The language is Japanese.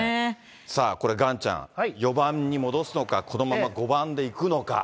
さあ、これ岩ちゃん、４番に戻すのか、このまま５番でいくのか。